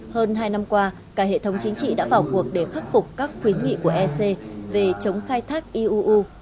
hơn hai năm qua cả hệ thống chính trị đã vào cuộc để khắc phục các khuyến nghị của ec về chống khai thác iuu